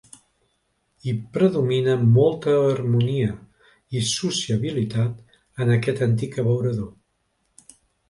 Hi predomina molta harmonia i sociabilitat en aquest antic abeurador .